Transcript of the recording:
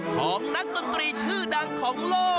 ของนักดนตรีชื่อดังของโลก